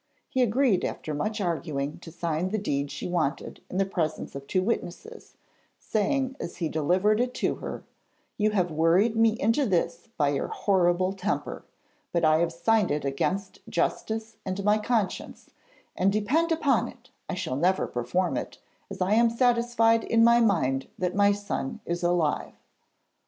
He agreed after much arguing to sign the deed she wanted in the presence of two witnesses, saying as he delivered it to her: 'You have worried me into this by your horrible temper, but I have signed it against justice and my conscience, and depend upon it, I shall never perform it, as I am satisfied in my mind that my son is alive.'